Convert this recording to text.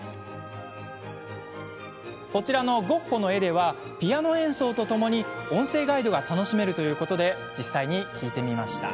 こちらのゴッホの絵ではピアノ演奏とともに音声ガイドが楽しめるということで実際に聞いてみました。